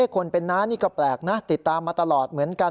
คนเป็นน้านี่ก็แปลกนะติดตามมาตลอดเหมือนกัน